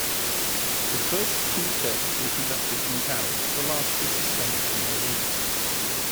The first two tests were conducted from towers, the last was suspended from balloons.